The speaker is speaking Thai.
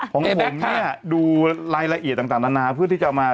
ของผมเนี่ยดูรายละเอียดต่างนานาเพื่อที่จะเอามา